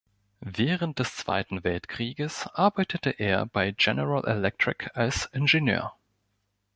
Während des Zweiten Weltkrieges arbeitete er bei General Electric als Ingenieur.